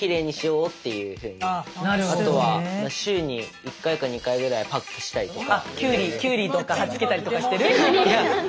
あとは週に１回か２回ぐらいパックしたりとか。